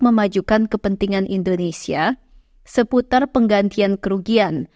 memajukan kepentingan indonesia seputar penggantian kerugian